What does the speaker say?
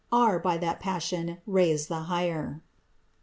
Are, by that passion, raised the higher."